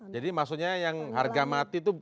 jadi maksudnya yang harga mati itu